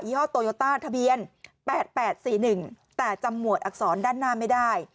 ห้อโตโยต้าทะเบียน๘๘๔๑แต่จำหมวดอักษรด้านหน้าไม่ได้